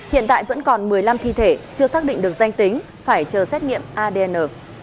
hiện tại vẫn còn một mươi năm thi thể chưa xác định được danh tính phải chờ xét nghiệm adn